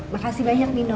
makasih banyak dino